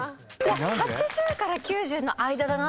８０から９０の間だなと思って。